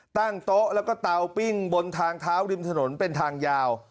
ตั้งโต๊ะแล้วก็เตาปิ้งบนทางเท้าริมถนนเป็นทางยาว